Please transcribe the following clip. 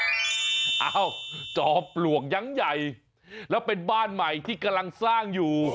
นี่เหมือนกันเอ้าจอบปลวกยังใหญ่และเป็นบ้านใหม่ที่กำลังสร้างอยู่